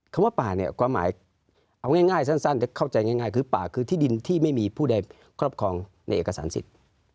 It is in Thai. ว่าป่าเนี่ยความหมายเอาง่ายสั้นเข้าใจง่ายคือป่าคือที่ดินที่ไม่มีผู้ใดครอบครองในเอกสารสิทธิ์